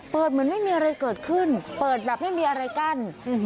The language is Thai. เหมือนไม่มีอะไรเกิดขึ้นเปิดแบบไม่มีอะไรกั้น